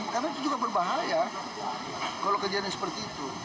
karena itu juga berbahaya kalau kejadiannya seperti itu